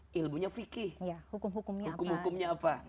akidah syariah akhlaq